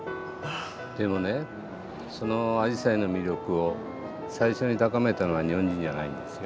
でもねそのアジサイの魅力を最初に高めたのは日本人じゃないんですよ。